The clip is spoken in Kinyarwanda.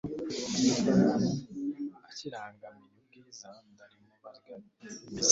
akirangamiye ubwiza ndarimugabiza